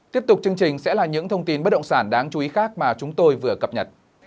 tiếp tục chương trình sẽ là những thông tin bất động sản đáng chú ý khác mà chúng tôi vừa cập nhật